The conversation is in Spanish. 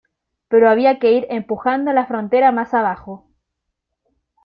Pero había que ir empujando la frontera más abajo.